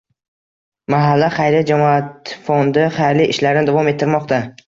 “Mahalla” xayriya jamoat fondi xayrli ishlarni davom ettirmoqda